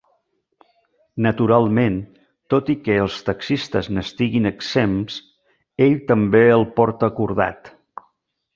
Naturalment, tot i que els taxistes n'estiguin exempts, ell també el porta cordat.